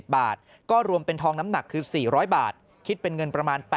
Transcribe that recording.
บาทก็รวมเป็นทองน้ำหนักคือ๔๐๐บาทคิดเป็นเงินประมาณ๘๐